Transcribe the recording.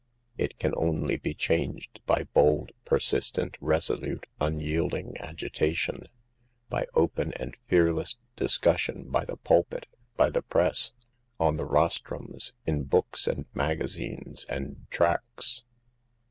It can only be changed by bold, persistent, resolute, unyield ing agitation ; by open and fearless discussion by the pulpit, by the press, on the rostrums, in books and magazines and tracts.